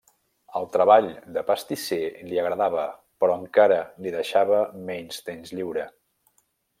El treball de pastisser li agradava, però encara li deixava menys temps lliure.